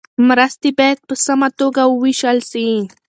مرستې باید په سمه توګه وویشل سي.